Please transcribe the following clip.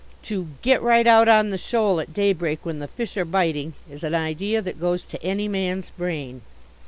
To "get right out on the shoal at daybreak when the fish are biting," is an idea that goes to any man's brain.